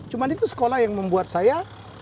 cuma itu sekolah yang membuat saya